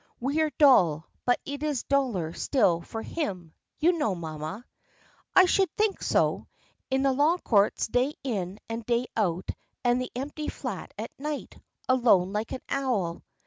"We are dull, but it is duller still for him, you know, mamma." "I should think so! In the law courts day in and day out, and in the empty flat at night alone like an owl."